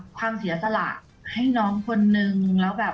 ความเสียสละให้น้องคนนึงแล้วแบบ